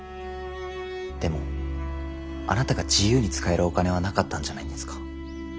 でもあなたが自由に使えるお金はなかったんじゃないんですか？